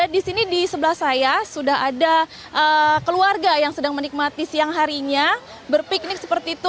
di sini di sebelah saya sudah ada keluarga yang sedang menikmati siang harinya berpiknik seperti itu